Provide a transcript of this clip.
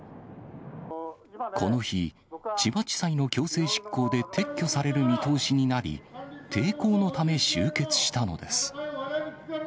この日、千葉地裁の強制執行で撤去される見通しになり、抵抗のため集結したのです。